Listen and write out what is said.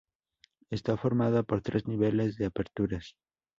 Está formado por tres niveles de aperturas.